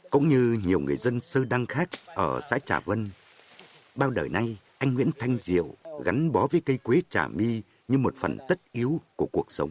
cũng như nhiều người dân sơ đăng khác ở xã trà vân bao đời nay anh nguyễn thanh triều gắn bó với cây quế trà my như một phần tất yếu của cuộc sống